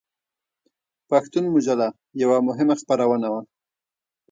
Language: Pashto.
پښتون مجله یوه مهمه خپرونه وه.